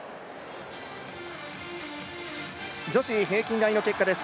女子平均台の結果です。